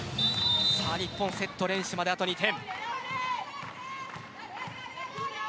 日本、セット連取まであと２点。